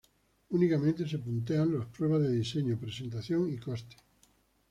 Únicamente se puntúan las pruebas de diseño, presentación y coste.